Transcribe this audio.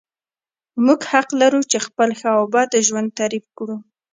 موږ حق لرو چې خپل ښه او بد ژوند تعریف کړو.